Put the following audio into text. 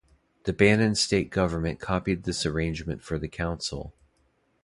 The Bannon state government copied this arrangement for the council.